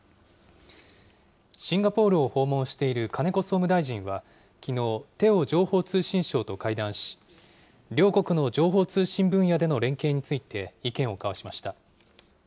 シンガポールを訪問している金子総務大臣はきのう、テオ情報通信相と会談し、両国の情報通信分野での連携について意見を交わしました。